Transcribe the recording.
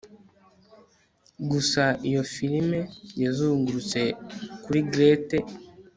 gusa iyo firime, yazungurutse kuri grate